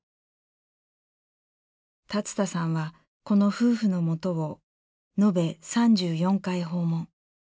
龍田さんはこの夫婦のもとを延べ３４回訪問。